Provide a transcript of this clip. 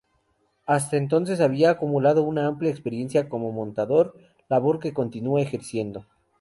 Hasta entonces había acumulado una amplia experiencia como montador, labor que continúa ejerciendo.